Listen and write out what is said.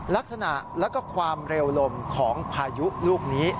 ลักษณะแล้วก็ความเร็วลมของพายุลูกนี้